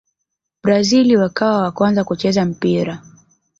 brazil wakawa wa kwanza kucheza mpira